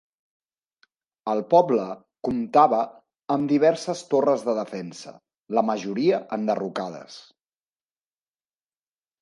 El poble comptava amb diverses torres de defensa, la majoria enderrocades.